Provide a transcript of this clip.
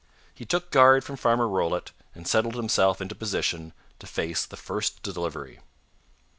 He took guard from Farmer Rollitt, and settled himself into position to face the first delivery.